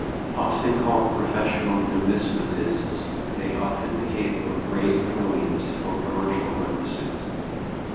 Often called professional numismatists, they authenticate or grade coins for commercial purposes.